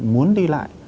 muốn đi lại